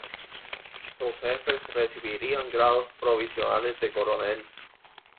Los jefes recibirían grados provisionales de Coronel.